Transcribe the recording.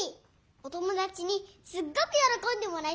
お友だちにすっごくよろこんでもらえたよ！